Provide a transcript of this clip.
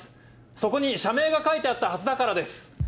そこに社名が書いてあったはずだからです。